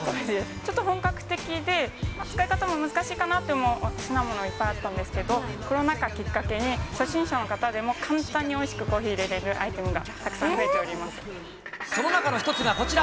ちょっと本格的で使い方が難しいかなと思う品物もあったんですけど、コロナ禍きっかけに、初心者の方でも簡単においしくコーヒーいれれるアイテムがたくさその中の一つがこちら。